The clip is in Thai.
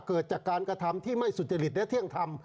เกิดจากการกระทำที่ไม่สุจริตและเที่ยงธรรม